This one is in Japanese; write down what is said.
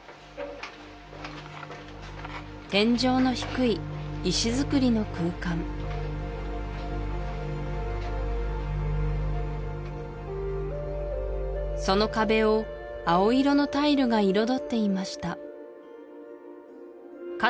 天井の低い石造りの空間その壁を青色のタイルが彩っていましたか